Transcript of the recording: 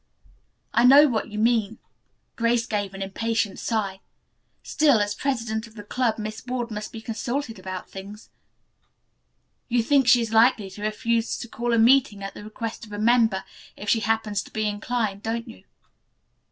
"I know what you mean." Grace gave an impatient sigh. "Still, as president of the club Miss Ward must be consulted about things. You think she is likely to refuse to call a meeting at the request of a member, if she happens to be so inclined, don't you?"